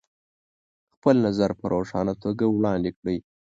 خپل نظر په روښانه توګه وړاندې کړئ.